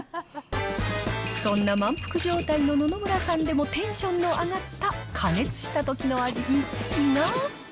そんな満腹状態の野々村さんでもテンションの上がった、加熱したときの味１位が。